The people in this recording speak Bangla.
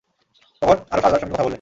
তখন আরশ আল্লাহর সঙ্গে কথা বলবে।